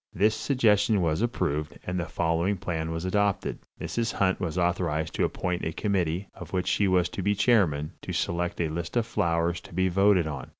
This suggestion was approved, and the following plan was adopted: Mrs. Hunt was authorized to appoint a committee, of which she was to be chairman, to select a list of flowers to be voted on.